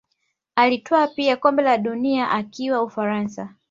Alitwaa pia kombe la dunia akiwa Ufaransa